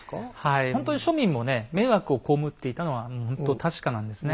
ほんとに庶民も迷惑を被っていたのはもうほんと確かなんですね。